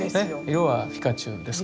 色はピカチュウですから。